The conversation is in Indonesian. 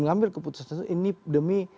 mengambil keputusan ini demi